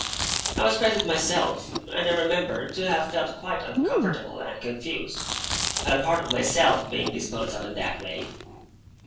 I was present myself, and I remember to have felt quite uncomfortable and confused, at a part of myself being disposed of in that way.